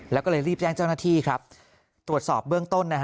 แล้วก็เลยรีบแจ้งเจ้าหน้าที่ครับตรวจสอบเบื้องต้นนะฮะ